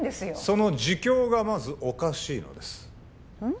その自供がまずおかしいのですうん？